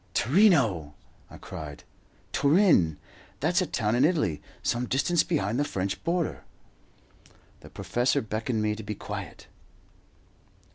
"Torino!" I cried, "Turin! That's a town in Italy, some distance beyond the French border." The professor beckoned me to be quiet.